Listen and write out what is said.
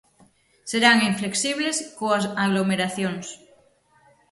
Serán inflexibles coas aglomeracións.